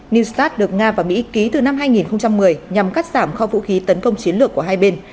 new start được nga và mỹ ký từ năm hai nghìn một mươi nhằm cắt giảm kho vũ khí tấn công chiến lược của hai bên